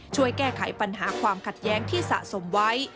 ช่วยแก้ไขปัญหาความขัดแย้งที่สะสมไว้